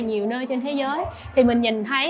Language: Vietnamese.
nhiều nơi trên thế giới thì mình nhìn thấy